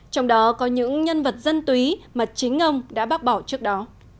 trong đó có những nhân vật dân túy mà chính ông đã bác bỏ trước đó